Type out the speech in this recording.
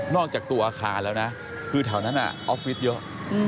อกจากตัวอาคารแล้วนะคือแถวนั้นออฟฟิศเยอะ